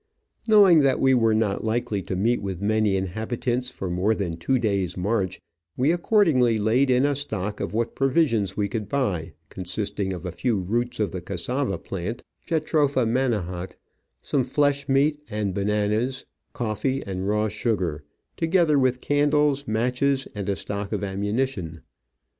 Knowing that we were not Hkely to meet with many inhabitants for more than two days' march, we accordingly laid in a stock of what provisions we could buy, con sisting of a few roots of the cassava plant (Jatropha Manihot), some flesh meat and bananas, coffee and raw sugar, together with candles, matches, and a stock of ammunition.